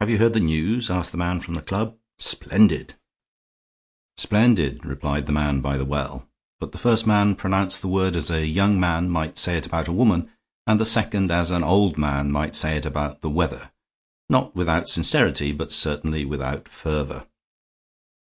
"Have you heard the news?" asked the man from the club. "Splendid." "Splendid," replied the man by the well. But the first man pronounced the word as a young man might say it about a woman, and the second as an old man might say it about the weather, not without sincerity, but certainly without fervor.